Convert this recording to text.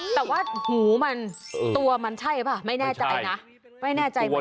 แต่ว่าหูมันตัวมันใช่ปะไม่แน่ใจนะ